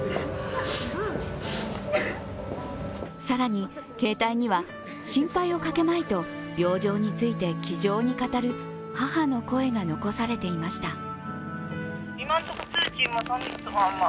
更にケータイには心配をかけまいと病状について気丈に語る母の声が残されていました。